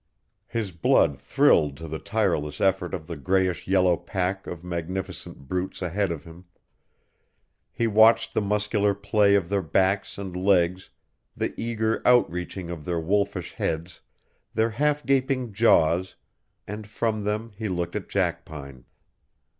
His blood thrilled to the tireless effort of the grayish yellow pack of magnificent brutes ahead of him; he watched the muscular play of their backs and legs, the eager out reaching of their wolfish heads, their half gaping jaws, and from them he looked at Jackpine.